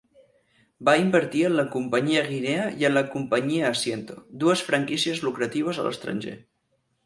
Va invertir en la Companyia Guinea i en la Companyia Asiento, dues franquícies lucratives a l'estranger.